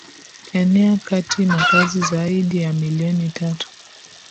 enea katika makazi zaidi ya milioni tatu